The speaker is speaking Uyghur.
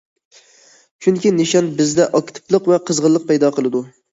چۈنكى، نىشان بىزدە ئاكتىپلىق ۋە قىزغىنلىق پەيدا قىلىدۇ.